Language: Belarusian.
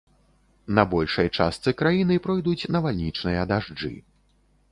На большай частцы краіны пройдуць навальнічныя дажджы.